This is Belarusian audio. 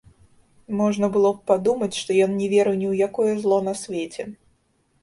Можна было б падумаць, што ён не верыў ні ў якое зло на свеце.